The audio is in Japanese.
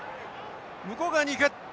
向こう側に行く。